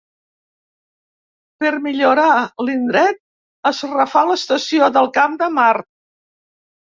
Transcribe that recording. Per millorar l'indret, es refà l'Estació del Camp de Mart.